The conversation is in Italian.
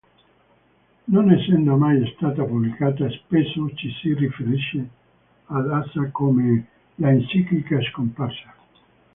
Non essendo mai stata pubblicata, spesso ci si riferisce ad essa come l'"Enciclica scomparsa".